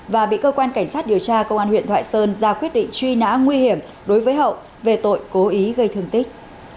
và bị cơ quan cảnh sát điều tra công an huyện thoại sơn ra quyết định truy nã nguy hiểm đối với hậu về tội cố ý gây thương tích